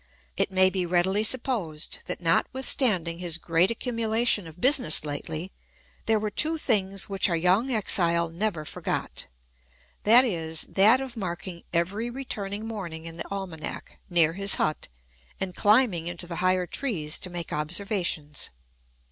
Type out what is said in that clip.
It may be readily supposed, that notwithstanding his great accumulation of business lately, there were two things which our young exile never forgot, viz.—that of marking every returning morning in the almanack, near his hut, and climbing into the higher trees to make observations.